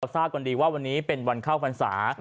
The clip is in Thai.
เราทราบก่อนดีว่าวันนี้เป็นวันข้าวฟันศา